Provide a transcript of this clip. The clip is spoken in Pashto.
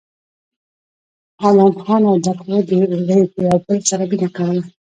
ادم خان او درخو له د بل سره مينه کوله